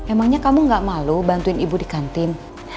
emangnya kamu gak malu bantuin ibu di kantin